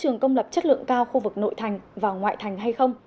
trường công lập chất lượng cao khu vực nội thành và ngoại thành hay không